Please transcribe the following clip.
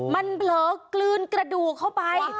มันเผลอกลืนกระดูกเข้าไป